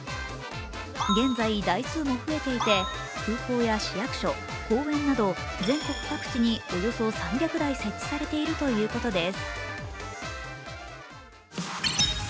現在、台数も増えていて、空港や市役所、公園など全国各地におよそ３００台設置されているということです。